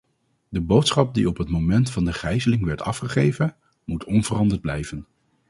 De boodschap die op het moment van de gijzeling werd afgegeven, moet onveranderd blijven.